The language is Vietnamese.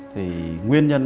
thì nguyên nhân